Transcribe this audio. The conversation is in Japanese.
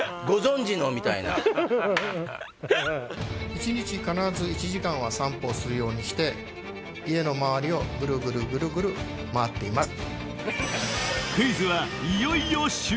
一日必ず１時間は散歩をするようにして家の周りをぐるぐるぐるぐる回っています。